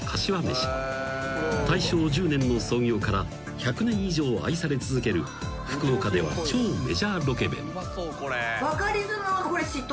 ［大正１０年の創業から１００年以上愛され続ける福岡では超メジャーロケ弁］